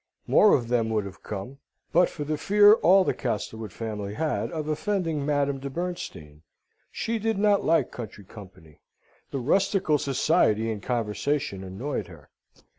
More of them would have come, but for the fear all the Castlewood family had of offending Madame de Bernstein. She did not like country company; the rustical society and conversation annoyed her.